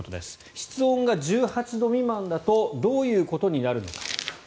室温が１８度未満だとどういうことになるのか。